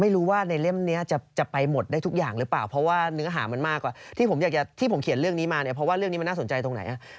ไม่รู้ว่าในเล่มนี้จะไปหมดได้ทุกอย่างหรือเปล่าเพราะว่าเนื้อหามันมากกว่าที่ผมอยากจะที่ผมเขียนเรื่องนี้มาเนี่ยเพราะว่าเรื่องนี้มันน่าสนใจตรงไหน